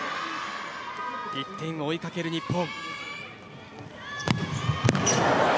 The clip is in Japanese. １点を追いかける日本。